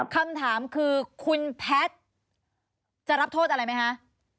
คำถามคือคุณแพทย์จะรับโทษอะไรไหมคะ